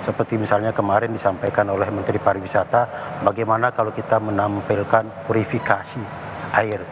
seperti misalnya kemarin disampaikan oleh menteri pariwisata bagaimana kalau kita menampilkan verifikasi air